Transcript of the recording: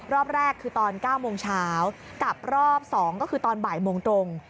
รอบแรกคือตอน๙โมงเช้ากับรอบ๒ก็คือตอนบ่ายโมงตรง